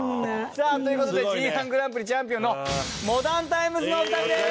さあという事でＧ−１グランプリチャンピオンのモダンタイムスのお二人です！